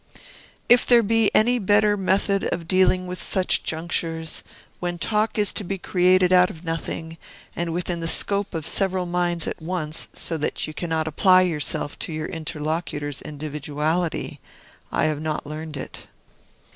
If there be any better method of dealing with such junctures, when talk is to be created out of nothing, and within the scope of several minds at once, so that you cannot apply yourself to your interlocutor's individuality, I have not learned it.